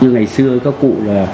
như ngày xưa các cụ là